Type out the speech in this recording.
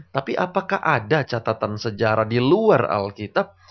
tapi apakah ada catatan sejarah di luar alkitab